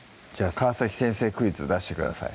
川先生クイズ出してください